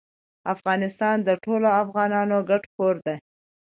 افغانستان د ټولو افغانانو ګډ کور ده.